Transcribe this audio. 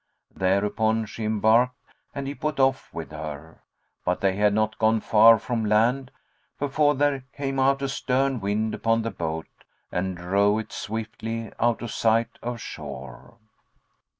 Thereupon she embarked and he put off with her; but they had not gone far from land, before there came out a stern wind upon the boat and drove it swiftly out of sight of shore.